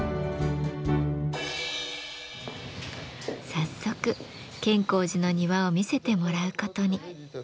早速建功寺の庭を見せてもらうことに。